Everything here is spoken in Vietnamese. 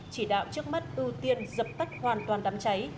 chỉ đạo trước mắt ưu tiên dập tắt hoàn toàn đám cháy